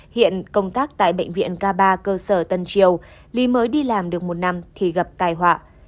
hiện công tác tại bệnh viện k ba cơ sở tân triều lý mới đi làm được một năm thì gặp tai họa